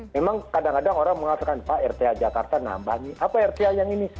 memang kadang kadang orang mengatakan pak rth jakarta nambah nih apa rta yang ini